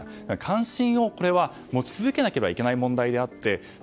関心を持ち続けなければいけない問題でったえ